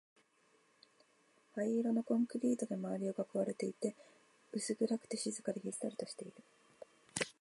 灰色のコンクリートで周りを囲まれていて、薄暗くて、静かで、ひっそりとしている